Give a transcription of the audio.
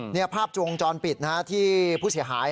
นี่ภาพจวงจรปิดที่ผู้เสียหาย